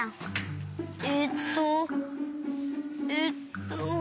えっとえっと。